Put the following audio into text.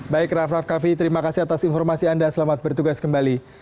baik raf raf kavi terima kasih atas informasi anda selamat bertugas kembali